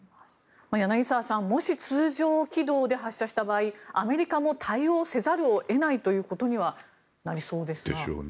柳澤さんもし、通常軌道で発射した場合アメリカも対応せざるを得ないということにはなりそうですね。